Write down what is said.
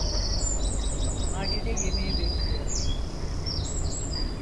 Macide yemeğe bekliyor!